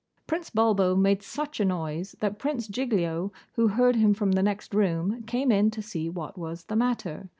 Prince Bulbo made such a noise that Prince Giglio, who heard him from the next room, came in to see what was the matter.